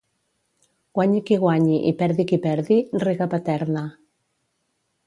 Guanyi qui guanyi i perdi qui perdi, rega Paterna.